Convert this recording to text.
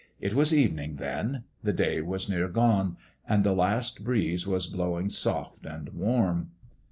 It was evening, then : the day was near done, and the last breeze was blow ing soft and warm.